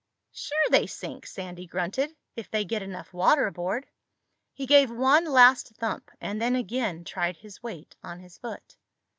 "Sure they sink," Sandy grunted, "if they get enough water aboard." He gave one last thump and then again tried his weight on his foot.